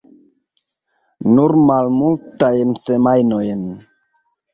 Nur malmultajn semajnojn.